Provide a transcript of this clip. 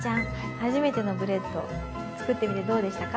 初めてのブレッド作ってみてどうでしたか？